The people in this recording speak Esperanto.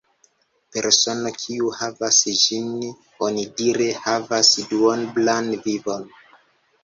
Persono kiu havas ĝin onidire havas duoblan vivon.